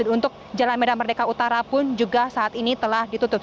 untuk jalan medan merdeka utara pun juga saat ini telah ditutup